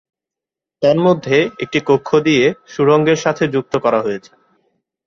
তন্মধ্যে একটি কক্ষ দিয়ে সুড়ঙ্গের সাথে যুক্ত করা হয়েছে।